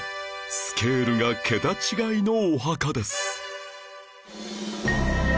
スケールが桁違いのお墓です